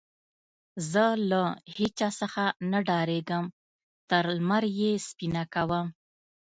زه له هيچا څخه نه ډارېږم؛ تر لمر يې سپينه کوم.